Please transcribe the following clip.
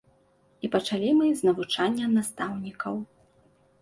І пачалі мы з навучання настаўнікаў.